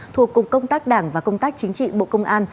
thuộc cục công tác đảng và công tác chính trị bộ công an